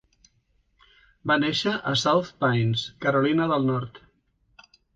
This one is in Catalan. Va néixer a South Pines, Carolina del Nord.